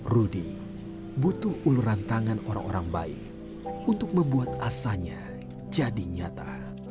rudy butuh uluran tangan orang orang baik untuk membuat asanya jadi nyata